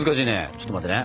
ちょっと待ってね。